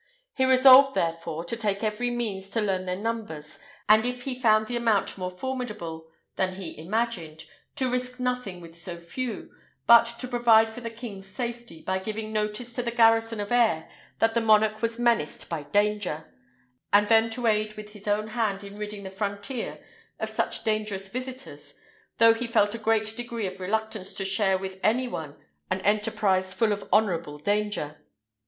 He resolved, therefore, to take every means to learn their numbers; and if he found the amount more formidable than he imagined, to risk nothing with so few, but to provide for the king's safety, by giving notice to the garrison of Aire that the monarch was menaced by danger; and then to aid with his own hand in ridding the frontier of such dangerous visitors, though he felt a great degree of reluctance to share with any one an enterprise full of honourable danger.